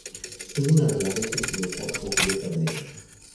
Tuvo una relación sentimental con Julieta Venegas.